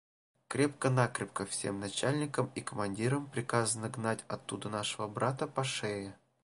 – Крепко-накрепко всем начальникам и командирам приказано гнать оттуда нашего брата по шее.